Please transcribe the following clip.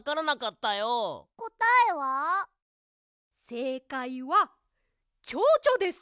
せいかいはチョウチョです！